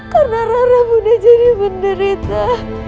karena rara bunda jadi menderita